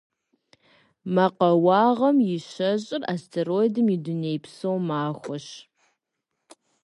Мэкъуауэгъуэм и щэщIыр Астероидым и дунейпсо махуэщ.